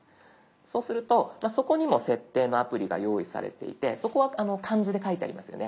そうするとそこにも「設定」のアプリが用意されていてそこは漢字で書いてありますよね。